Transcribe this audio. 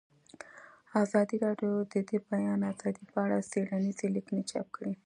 ازادي راډیو د د بیان آزادي په اړه څېړنیزې لیکنې چاپ کړي.